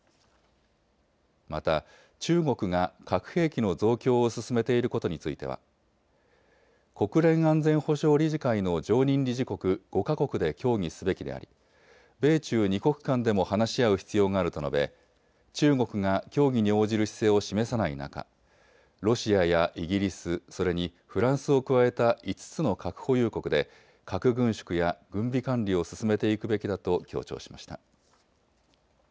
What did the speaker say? また、中国が核兵器の増強を進めていることについては国連安全保障理事会の常任理事国５か国で協議すべきであり米中２国間でも話し合う必要があると述べ、中国が協議に応じる姿勢を示さない中、ロシアやイギリスそれにフランスを加えた５つの核保有国で核軍縮や軍備管理を進めていくべきだと強調しました。